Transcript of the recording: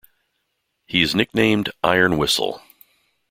He is nicknamed "Iron Whistle".